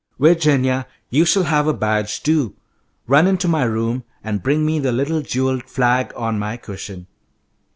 "Virginia, you shall have a badge, too. Run into my room and bring me that little jewelled flag on my cushion."